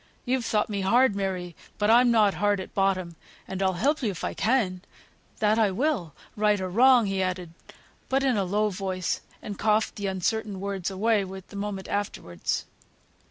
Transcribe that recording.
You've thought me hard, Mary, but I'm not hard at bottom, and I'll help you if I can; that I will, right or wrong," he added; but in a low voice, and coughed the uncertain words away the moment afterwards.